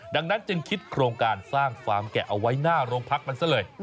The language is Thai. ดังนั้นจึงคิดโครงการสร้างฟาร์มแกะเอาไว้หน้าโรงพักมันซะเลย